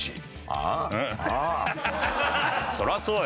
ああそりゃそうよ。